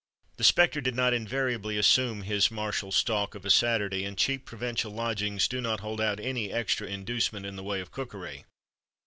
The "spectre" did not invariably assume his "martial stalk," of a Saturday; and cheap provincial lodgings do not hold out any extra inducement in the way of cookery.